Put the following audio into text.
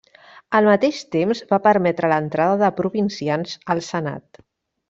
Al mateix temps, va permetre l'entrada de provincians al senat.